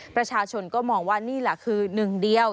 ประชาชนก็มองว่านี่แหละคือหนึ่งเดียว